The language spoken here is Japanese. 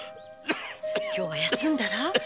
今日は休んだら？